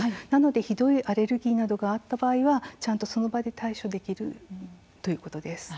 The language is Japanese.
ひどいアレルギーなどがあった場合はちゃんとその場で対処してもらえるということです。